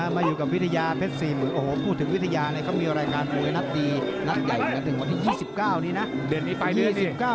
มาอยู่กับวิทยาเพชรสี่หมื่นพูดถึงวิทยาเนี่ยเขามีรายการปุ๋ยนัดดีนัดใหญ่ของนัดหนึ่งของที่๒๙นี่นะ